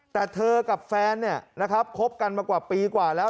แต่เธอกับแฟนคบกันมากว่าปีกว่าแล้ว